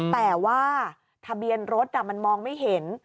แต่ว่าทะเบียนรถมันมองไม่เห็น